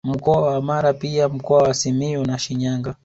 Mkoa wa Mara pia Mkoa wa Simiyu na Shinyanga